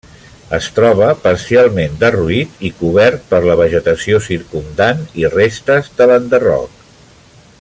Es troba parcialment derruït i cobert per la vegetació circumdant i restes de l'enderroc.